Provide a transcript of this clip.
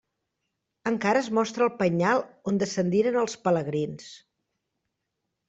Encara es mostra el penyal on descendiren els pelegrins.